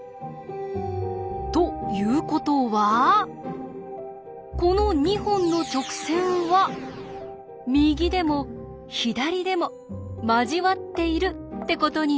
ということはこの２本の直線は右でも左でも交わっているってことになります。